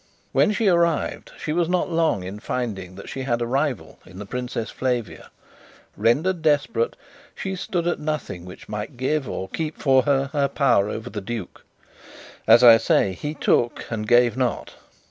When she arrived, she was not long in finding that she had a rival in the Princess Flavia; rendered desperate, she stood at nothing which might give, or keep for her, her power over the duke. As I say, he took and gave not.